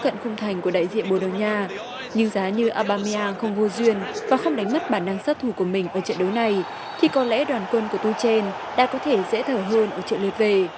nhưng giá như aubameyang không vô duyên và không đánh mất bản năng sát thù của mình ở trận đấu này thì có lẽ đoàn quân của tuchel đã có thể dễ thở hơn ở trận lượt về